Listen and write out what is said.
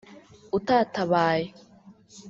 utatabaye